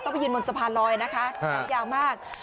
ต้องไปยืนบนสะพานลอยนะคะยาวมาก